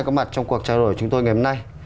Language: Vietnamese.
có mặt trong cuộc trai đổi của chúng tôi ngày hôm nay